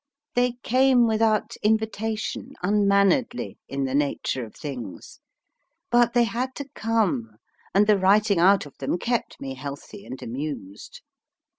They came without invitation, unmanneredly, in the nature of things ; but they had to come, and the writing out of them kept me healthy and amused.